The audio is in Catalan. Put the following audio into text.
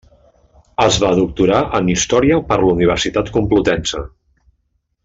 Es va doctorar en Història per la Universitat Complutense.